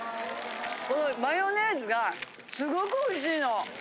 マヨネーズがすごくおいしいの。